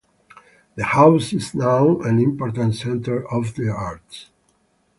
The house is now an important centre for the arts.